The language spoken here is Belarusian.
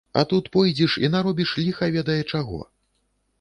А тут пойдзеш і наробіш ліха ведае чаго.